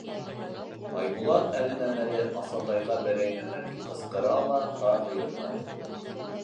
Айбулат әленән-әле Асатайға берәй нәмә тип ҡысҡыра ла тағы йырлай: